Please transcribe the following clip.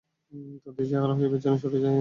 তারা দিশেহারা হয়ে পিছনে সরে যায়।